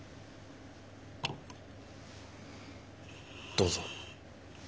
どうぞ。